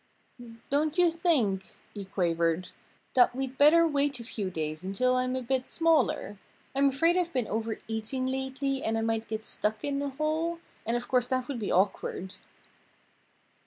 "Don't you think," he quavered, "that we'd better wait a few days until I'm a bit smaller? I'm afraid I've been overeating lately and I might get stuck in a hole. And of course that would be awkward."